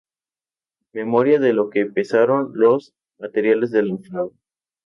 Memoria de lo que pesaron los materiales de la fragua.